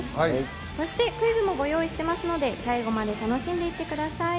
そしてクイズもご用意していますので、最後まで楽しんでいってください。